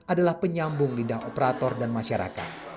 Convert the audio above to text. adalah penyambung lindang operator dan masyarakat